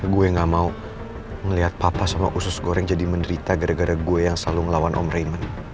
gue gak mau melihat papa sama usus goreng jadi menderita gara gara gue yang selalu ngelawan omraiment